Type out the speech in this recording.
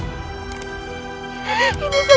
ini benar kamu rai